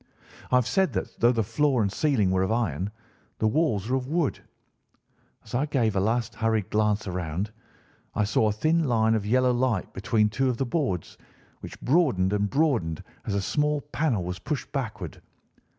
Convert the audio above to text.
"I have said that though the floor and ceiling were of iron, the walls were of wood. As I gave a last hurried glance around, I saw a thin line of yellow light between two of the boards, which broadened and broadened as a small panel was pushed backward.